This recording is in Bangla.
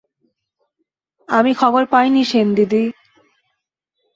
আমি খবর পাইনি সেনদিদি।